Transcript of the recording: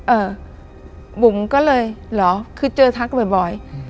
เออบุ๋มก็เลยเหรอคือเจอทักบ่อย